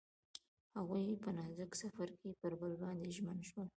هغوی په نازک سفر کې پر بل باندې ژمن شول.